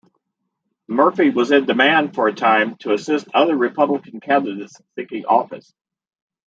Murphy was in demand for a time to assist other Republican candidates seeking office.